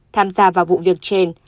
tham gia vào vụ việc trên